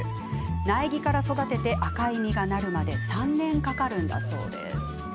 苗木から育てて赤い実がなるまで３年かかるんだそうです。